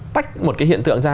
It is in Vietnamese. tách một cái hiện tượng ra